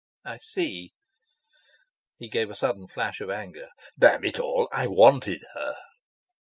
"I see." He gave a sudden flash of anger. "Damn it all, I wanted her."